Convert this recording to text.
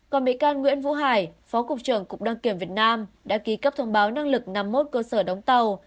còn bị can nguyễn vũ hải phó cục trưởng cục đăng kiểm việt nam đã ký cấp thông báo năng lực năm mươi một cơ sở đóng tàu